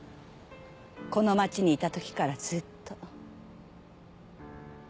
この町にいたときからずっと。